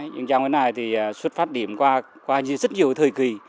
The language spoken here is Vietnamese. nhưng trong cái này thì xuất phát điểm qua rất nhiều thời kỳ